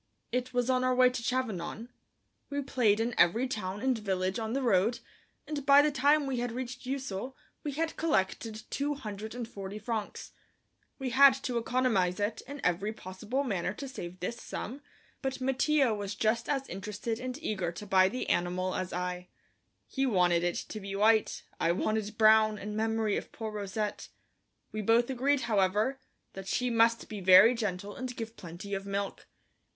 It was on our way to Chavanon. We played in every town and village on the road, and by the time we had reached Ussel we had collected two hundred and forty francs. We had to economize in every possible manner to save this sum, but Mattia was just as interested and eager to buy the animal as I. He wanted it to be white; I wanted brown in memory of poor Rousette. We both agreed, however, that she must be very gentle and give plenty of milk.